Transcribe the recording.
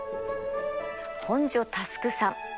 本庶佑さん。